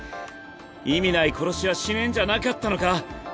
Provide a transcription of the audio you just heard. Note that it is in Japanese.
意味ない殺しはしねぇんじゃなかったのか？